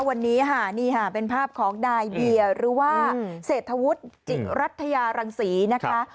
วันนี้ค่ะนี่ค่ะเป็นภาพของนายเบียร์หรือว่าเศรษฐวุฒิจิรัฐยารังศรีนะคะ